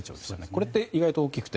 これって意外と大きくて。